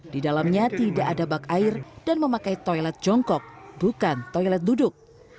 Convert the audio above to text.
di dalamnya tidak ada bak air dan memakai toilet jongkok bukan toilet duduk